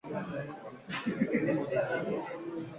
He also was an above-average shortstop.